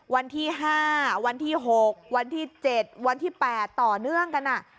วันที่๕วันที่๖วันที่๗วันที่๘ต่อเนื่องกัน